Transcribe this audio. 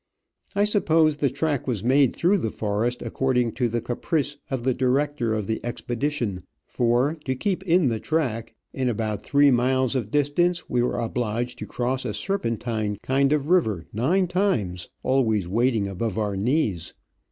I suppose the track was made through the forest ac cording to the caprice of the director of the expedition, for, to keep in the track, in about three miles of dis tance we were obliged to cross a serpentine kind of river nine times, always wading above our knees.